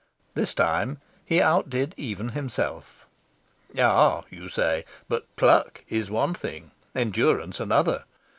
This time he outdid even himself. "Ah," you say, "but 'pluck' is one thing, endurance another.